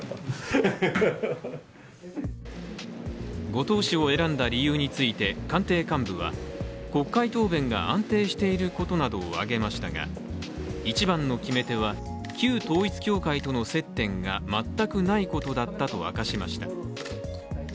後藤氏を選んだ理由について官邸幹部は国会答弁が安定していることなどを挙げましたが一番の決め手は、旧統一教会との接点が全くないことだったと明かしました。